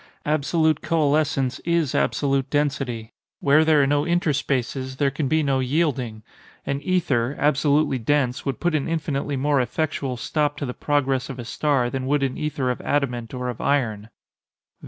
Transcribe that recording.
Absolute coalescence is absolute density. Where there are no interspaces, there can be no yielding. An ether, absolutely dense, would put an infinitely more effectual stop to the progress of a star than would an ether of adamant or of iron.